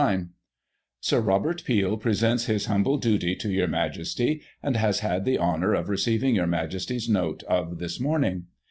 * Sir Robert Peel presents his humble duty to your Majesty, and has had the honour of receiving your Majesty's note of this morning.